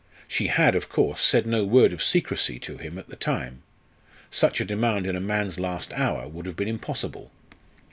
She had, of course, said no word of secrecy to him at the time. Such a demand in a man's last hour would have been impossible.